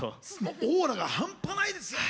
オーラが半端ないですよね！